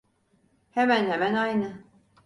Hemen hemen aynı.